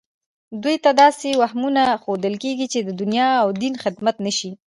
دوی ته داسې وهمونه ښودل کېږي چې د دنیا او دین خدمت نه شي